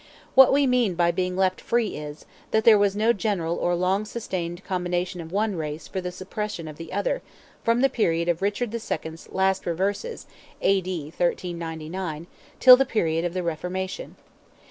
What we mean by being left free is, that there was no general or long sustained combination of one race for the suppression of the other from the period of Richard the Second's last reverses (A.D. 1399) till the period of the Reformation.